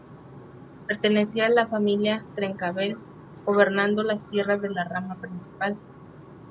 Pertenecía a la familia Trencavel, gobernando las tierras de la rama principal.